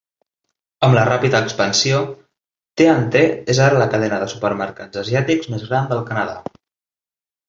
Amb la ràpida expansió, T and T és ara la cadena de supermercats asiàtics més gran del Canadà.